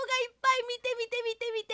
みてみてみてみて！